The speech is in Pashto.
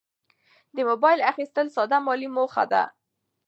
د موبایل اخیستل ساده مالي موخه ده.